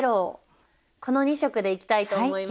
この２色でいきたいと思います。